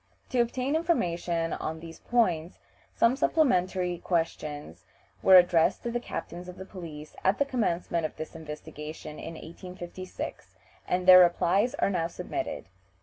To obtain information on these points some supplementary questions were addressed to the captains of police at the commencement of this investigation in 1856, and their replies are now submitted.